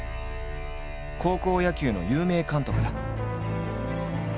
高校野球の有名監督だ。